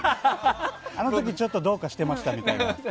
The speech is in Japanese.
あの時ちょっとどうかしてましたみたいな。